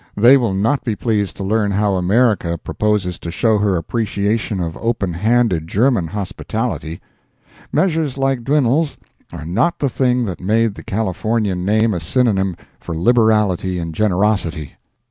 They will not be pleased to learn how America proposes to show her appreciation of open handed German hospitality. Measures like Dwinelle's are not the things that made the Californian name a synonym for liberality and generosity.